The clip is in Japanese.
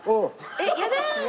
えっやだ！